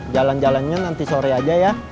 jalan jalannya nanti sore aja ya